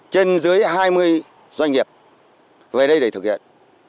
trên dưới hai mươi doanh nghiệp về đây để thực hiện